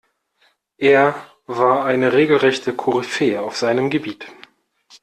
Er war eine regelrechte Koryphäe auf seinem Gebiet.